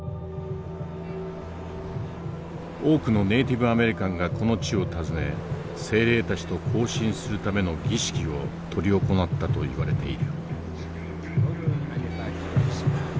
多くのネイティブ・アメリカンがこの地を訪ね精霊たちと交信するための儀式を執り行ったといわれている。